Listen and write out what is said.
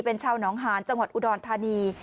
เป็นชาวหนองหานจังหวัดอุดรธานี